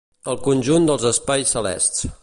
El conjunt dels espais celests.